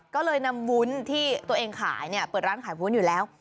ก็เลยนำวุ้นที่ตัวเองขายเปิดร้านขายวุ้นอยู่แล้ว